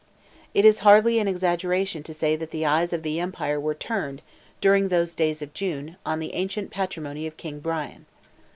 It is hardly an exaggeration to say that the eyes of the empire were turned, during those days of June, on the ancient patrimony of King Brian.